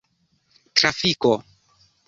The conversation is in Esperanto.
trafiko